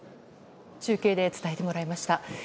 中継で伝えてもらいました。